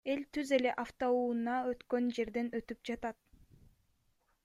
Эл түз эле автоунаа өткөн жерден өтүп жатат.